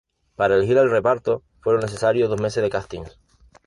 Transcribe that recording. Para elegir al reparto fueron necesarios dos meses de castings.